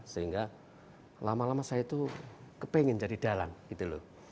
sehingga lama lama saya itu kepingin jadi dalang gitu loh